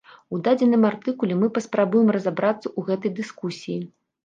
У дадзеным артыкуле мы паспрабуем разабрацца ў гэтай дыскусіі.